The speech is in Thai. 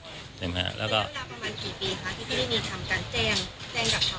อย่างนั้นสำหรับประมาณกี่ปีนะที่พี่นิดมีสำคัญแจ้ง